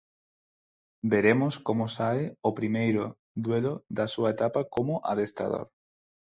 Veremos como sae o primeiro duelo da súa etapa como adestrador.